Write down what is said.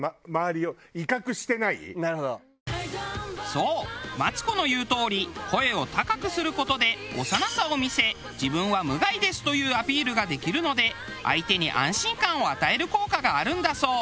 そうマツコの言うとおり声を高くする事で幼さを見せ自分は無害ですというアピールができるので相手に安心感を与える効果があるんだそう。